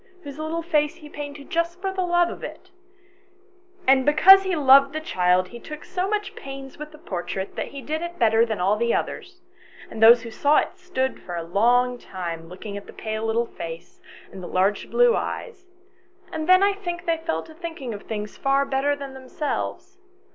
135 whose little face he painted just for love of it ; and because he loved the child he took so much pains with the portrait that he did it better than all the others, and those who saw it stood for a long time looking at the pale little face, and the large blue eyes; and then I think they fell to thinking of things far better than themselves.